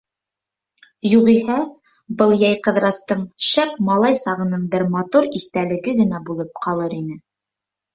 Юғиһә, был йәй Ҡыҙырастың шәп малай сағының бер матур иҫтәлеге генә булып ҡалыр ине.